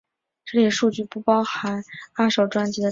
这里的数据不包含二手专辑的转售。